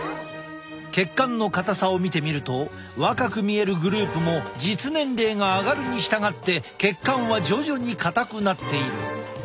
血管の硬さを見てみると若く見えるグループも実年齢が上がるに従って血管は徐々に硬くなっている。